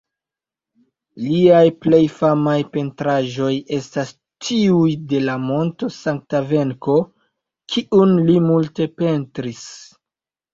Liaj plej famaj pentraĵoj estas tiuj de la monto Sankta-Venko kiun li multe pentris.